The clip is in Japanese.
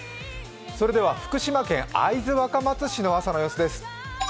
それでは福島県会津若松市の朝の様子です。